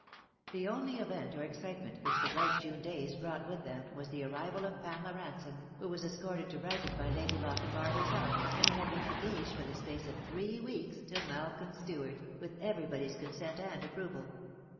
The only event or excitement which the bright June days brought with them was the arrival of Pamela Ransome, who was escorted to Brighton by Lady Lochinvar herself, and who had been engaged for the space of three weeks to Malcolm Stuart, with everybody's consent and approval.